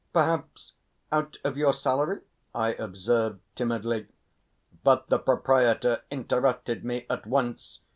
"Perhaps out of your salary...." I observed timidly, but the proprietor interrupted me at once.